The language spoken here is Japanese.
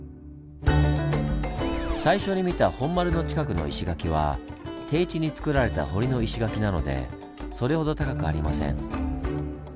最初に見た本丸の近くの石垣は低地につくられた堀の石垣なのでそれほど高くありません。